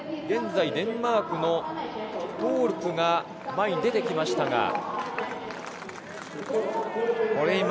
現在デンマークのトールプが前に出てきましたが。